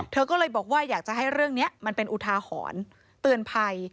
เธอก็เลยบอกว่าอยากจะให้เรื่องนี้มันเป็นอุทาหรณ์เตือนภัย